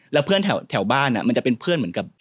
แล้วเพื่อนแถวบ้านมันจะเป็นเพื่อนเหมือนกับ